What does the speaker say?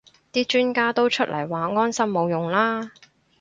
啲專家都出嚟話安心冇用啦